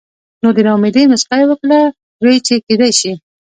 نو د نا امېدۍ مسکا يې وکړه وې چې کېدے شي